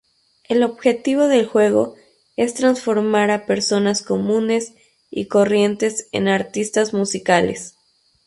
El objetivo del juego es transformar a personas comunes y corrientes en artistas musicales.